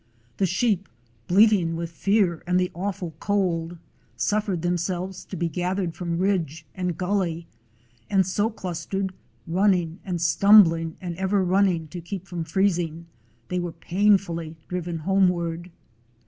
The sheep, bleat ing with fear and the awful cold, suffered themselves to be gathered from ridge and gully, and so clustered, running and stum bling and ever funning to keep from freezing, they were painfully driven homeward.